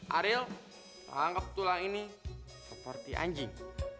ariel anggap tulang ini seperti anjing